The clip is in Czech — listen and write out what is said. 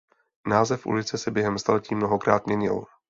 Název ulice se během staletí mnohokrát měnil.